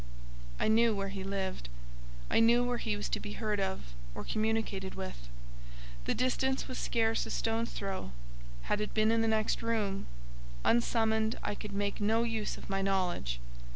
I knew where he lived: I knew where he was to be heard of, or communicated with; the distance was scarce a stone's throw: had it been in the next room—unsummoned, I could make no use of my knowledge.